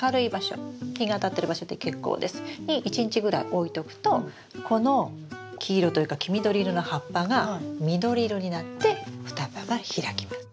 日があたってる場所で結構です。に１日ぐらい置いとくとこの黄色というか黄緑色の葉っぱが緑色になって双葉が開きます。